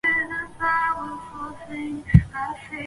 大阿伯尔热芒人口变化图示